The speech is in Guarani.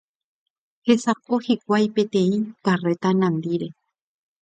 Hesaho hikuái peteĩ karréta nandíre.